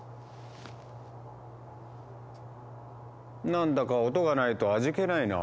何だか音がないと味気ないな。